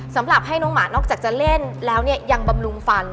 สำหรับให้น้องหมานอกจากจะเล่นแล้วเนี่ยยังบำรุงฟัน